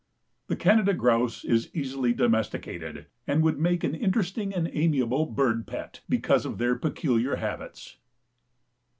The Canada Grouse is easily domesticated and would make an interesting and amiable bird pet, because of their peculiar habits.